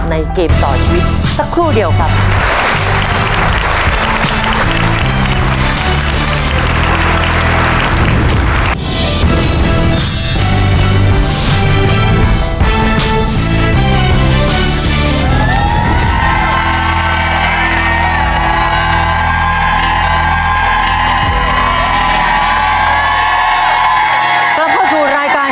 เกมต่อชีวิตสักครู่เดียวครับ